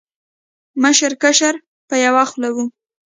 مشر، کشر په یو خوله و